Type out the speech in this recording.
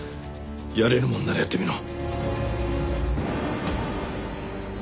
殺れるもんなら殺ってみろ。